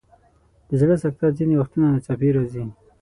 د زړه سکته ځینې وختونه ناڅاپي راځي.